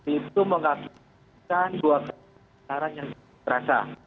itu mengatakan dua keterangan yang terasa